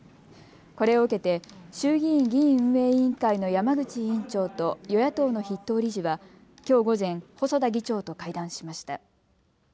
これを受けて衆議院議院運営委員会の山口委員長と与野党の筆頭理事はきょう午前、細田議長と会談しました。